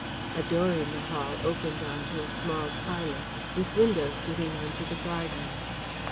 A door in the hall opened on to a small parlour, with windows giving on to the garden.